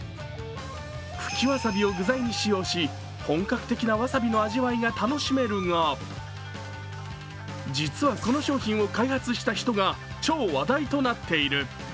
茎わさびを具材に使用し、本格的なわさびの味わいが楽しめるが実はこの商品を開発した人が超話題となっている。